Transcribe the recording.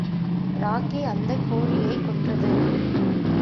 ராகி அந்தக் கோழியைக் கொன்றது.